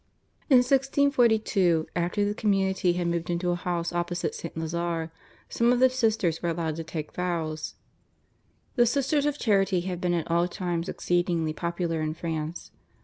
In 1642 after the community had moved into a house opposite St. Lazare, some of the sisters were allowed to take vows. The Sisters of Charity have been at all times exceedingly popular in France.